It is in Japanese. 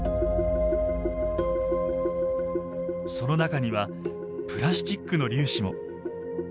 その中にはプラスチックの粒子も。